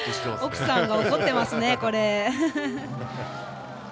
奥さんが怒っていますね。